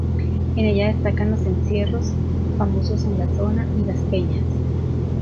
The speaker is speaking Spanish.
En ellas destacan los encierros, famosos en la zona, y las peñas.